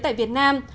tại việt nam